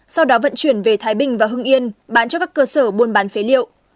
sau đó vận chuyển về thái bình và hưng yên bán cho các cơ sở buôn bán phế liệu